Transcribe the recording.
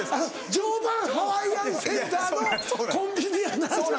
常磐ハワイアンセンターのコンビニやな。